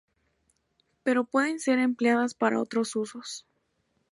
Pero pueden ser empleadas para otros usos.